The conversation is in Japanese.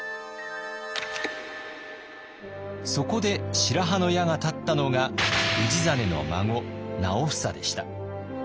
そこで白羽の矢が立ったのが氏真の孫直房でした。